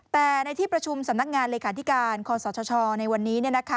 แต่ในที่ประชุมสำนักงานเลขาธิการคอสชในวันนี้